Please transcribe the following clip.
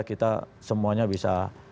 kita semuanya bisa